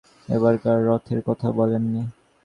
পণ্ডিতমশায় বলতে পারলেন না এবারকার রথের কথা বলেননি?